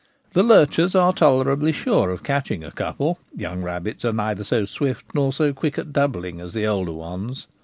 The lurchers are tolerably sure of catching a couple — young rabbits are neither so swift nor so quick at doubling as the older ones.